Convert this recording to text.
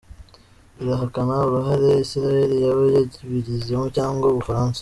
Irahakana uruhare Isiraheri yaba yabigizemo cyangwa u Bufaransa.